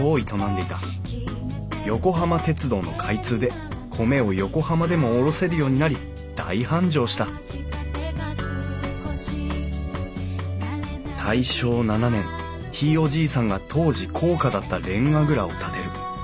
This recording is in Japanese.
横浜鉄道の開通で米を横浜でも卸せるようになり大繁盛した大正７年ひいおじいさんが当時高価だったれんが蔵を建てる。